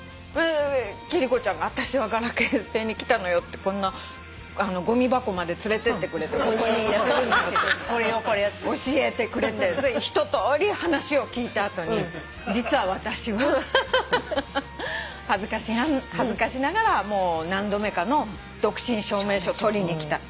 貴理子ちゃんが「私はガラケー捨てに来たのよ」ってごみ箱まで連れてってくれて「ここに捨てるのよ」って教えてくれてひととおり話を聞いた後に実は私は恥ずかしながらもう何度目かの独身証明書を取りに来た。